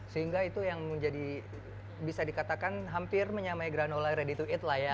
sehingga itu yang menjadi bisa dikatakan hampir menyamai granola ready to eat lah ya